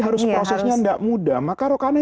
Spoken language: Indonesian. harus prosesnya nggak mudah maka rokanah